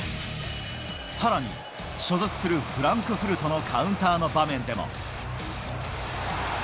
さらに所属するフランクフルトのカウンターの場面でも。